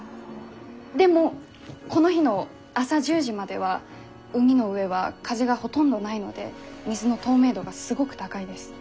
でもこの日の朝１０時までは海の上は風がほとんどないので水の透明度がすごく高いです。